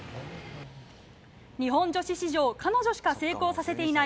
日本女子史上彼女しか成功させていない